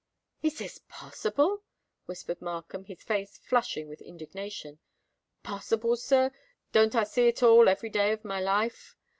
"Is this possible?" whispered Markham, his face flushing with indignation. "Possible, sir! Don't I see it all every day of my life?